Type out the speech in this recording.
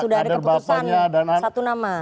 sudah ada keputusan satu nama